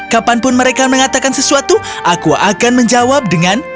kapanpun mereka mengatakan sesuatu aku akan menjawab dengan